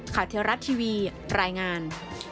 เทวรัฐทีวีรายงาน